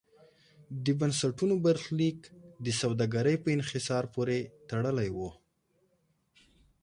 د بنسټونو برخلیک د سوداګرۍ په انحصار پورې تړلی و.